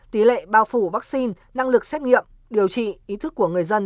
tỷ lệ bao phủ vaccine năng lực xét nghiệm điều trị ý thức của người dân